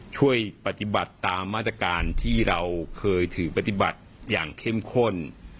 ช่วยปฏิบัติตามมาตรการที่เราเคยถือปฏิบัติอย่างเข้มข้น